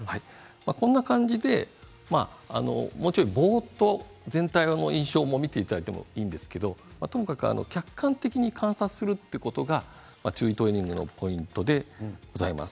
こんな感じでもうちょっとぼーっと全体の印象を見ていただいてもいいんですけど、とにかく客観的に観察するということが注意トレーニングのポイントでございます。